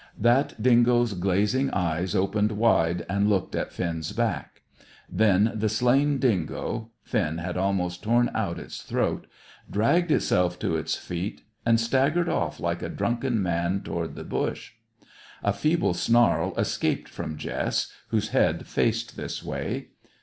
That dingo's glazing eyes opened wide, and looked at Finn's back. Then the slain dingo (Finn had almost torn out its throat) dragged itself to its feet and staggered off like a drunken man toward the bush. A feeble snarl escaped from Jess, whose head faced this way.